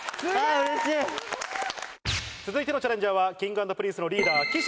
続いてのチャレンジャーはＫｉｎｇ＆Ｐｒｉｎｃｅのリーダー。